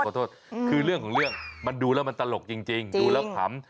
ขอโทษคือเรื่องของเรื่องมันดูแล้วมันตลกจริงดูแล้วขำ